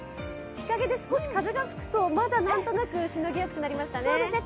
日陰で少し風が吹くと、まだ何となくしのぎやすくなりましたね。